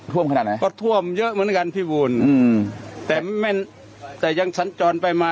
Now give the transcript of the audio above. ขนาดไหนก็ท่วมเยอะเหมือนกันพี่บูลอืมแต่ยังสัญจรไปมา